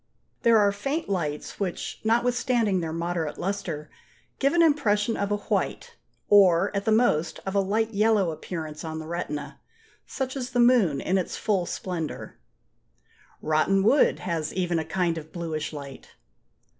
There are faint lights which, notwithstanding their moderate lustre, give an impression of a white, or, at the most, of a light yellow appearance on the retina; such as the moon in its full splendour. Rotten wood has even a kind of bluish light.